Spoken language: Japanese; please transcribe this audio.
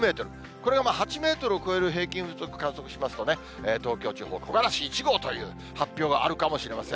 これは８メートルを超える平均風速を観測しますと、東京地方、木枯らし１号という発表があるかもしれません。